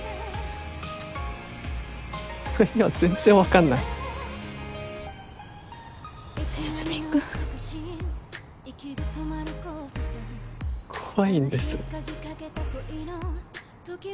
俺には全然分かんない和泉君怖いんです